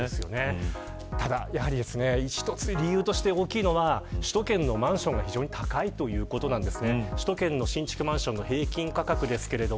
ただ一つ理由として大きいのは首都圏のマンションが非常に高いということです。